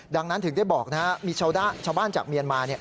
ดังนั้นถึงได้บอกนะครับมีชาวบ้านจากเมียนมา